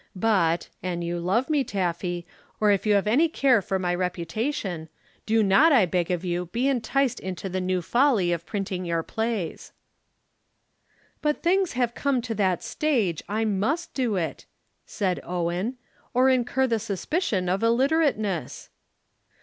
But, an you love me, Taffy, or if you have any care for my reputation, do not, I beg of you, be enticed into the new folly of printing your plays." "But things have come to that stage I must do it," said Owen, "or incur the suspicion of illiterateness."